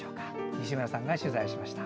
西村さんが取材しました。